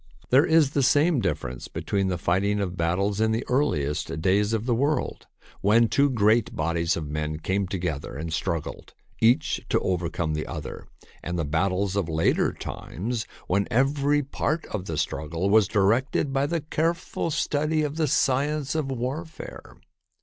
There is the same difference between the fight ing of battles in the earliest days of the world, when two great bodies of men came together and struggled, each to overcome the other, and the battles of later times, when every part of the strug gle was directed by the careful study of the science of warfare.